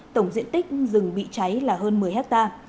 tổng diện tích rừng bị cháy là hơn một mươi hectare